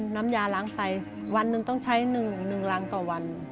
น้ำยาล้างไตวันหนึ่งต้องใช้๑รังต่อวัน